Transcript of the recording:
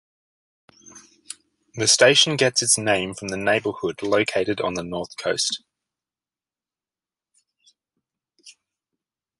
The station gets its name from the neighborhood located on the north coast.